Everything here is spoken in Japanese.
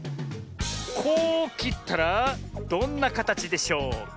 こうきったらどんなかたちでしょうか？